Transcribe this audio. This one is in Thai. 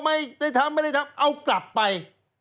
ไม่ได้ทำไม่ได้ทำเอากลับไป